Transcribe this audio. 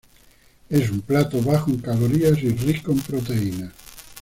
Es un plato bajo en calorías y rico en proteínas.